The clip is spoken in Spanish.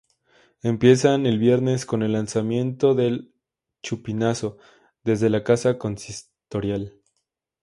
Empiezan el viernes con el lanzamiento del chupinazo desde la casa consistorial.